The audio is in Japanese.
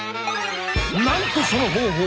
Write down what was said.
なんとその方法